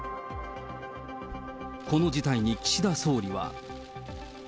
この事態に岸田総理は。